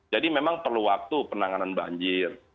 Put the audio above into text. jadi memang perlu waktu penanganan banjir